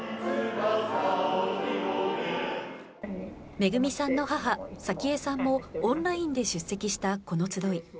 めぐみさんの母、早紀江さんもオンラインで出席したこの集い。